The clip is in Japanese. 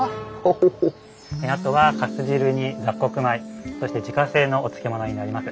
あとはかす汁に雑穀米そして自家製のお漬物になります。